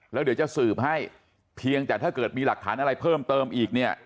แล้วเดี๋ยวจะสืบให้เพียงแต่ถ้าเกิดมีหลักฐานอะไรเพิ่มเติมอีกเนี่ย